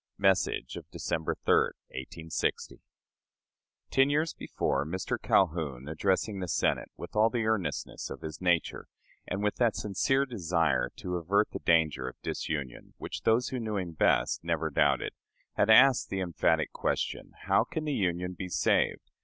(Message of December 3, 1860.) Ten years before, Mr. Calhoun addressing the Senate with all the earnestness of his nature and with that sincere desire to avert the danger of disunion which those who knew him best never doubted, had asked the emphatic question, "How can the Union be saved?"